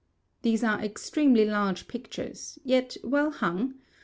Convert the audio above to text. These are extremely large pictures, yet well hung.